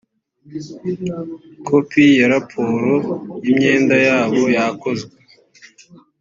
kopi ya raporo y imyenda yabo yakozwe